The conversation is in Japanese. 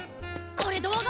これ動画？